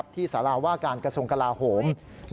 สาราว่าการกระทรวงกลาโหม